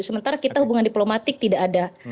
sementara kita hubungan diplomatik tidak ada